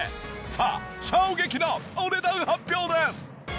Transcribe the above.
さあ衝撃のお値段発表です！